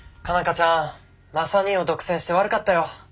花ちゃんマサ兄を独占して悪かったよ。